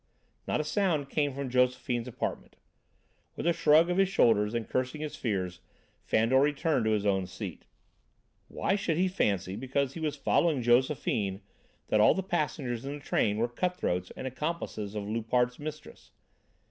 Not a sound came from Josephine's apartment. With a shrug of his shoulders and cursing his fears, Fandor returned to his own seat. Why should he fancy, because he was following Josephine, that all the passengers in the train were cut throats and accomplices of Loupart's mistress?